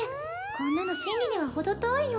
こんなの真理には程遠いよ